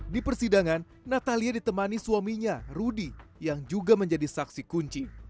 di persidangan natalia ditemani suaminya rudy yang juga menjadi saksi kunci